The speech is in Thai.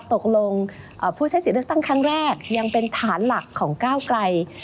ตกลงผู้ใช้สิทธิ์เลือกตั้งครั้งแรกยังเป็นฐานหลักของก้าวไกล